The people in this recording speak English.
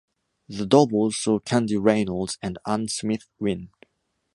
The doubles saw Candy Reynolds and Anne Smith win.